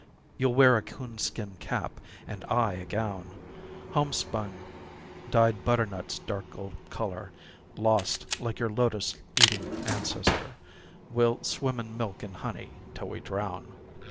You'll wear a coonskin cap, and I a gown Homespun, dyed butternut's dark gold color. Lost, like your lotus eating ancestor, We'll swim in milk and honey till we drown.